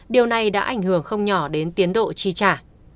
điều này đã ảnh hưởng không nhỏ đến tiến độ chi trả